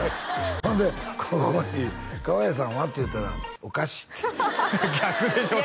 ほんでここに「川栄さんは？」って言うたら「お菓子」って逆でしょ